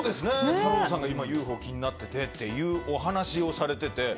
太郎さんがＵＦＯが気になってというお話をされてて。